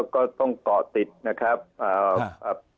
ก็ต้องก่อติดนะครับ